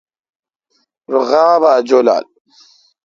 رو غاب اؘ جولال۔